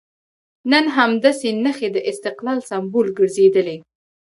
نن همدې نښې د استقلال سمبول ګرځېدلي.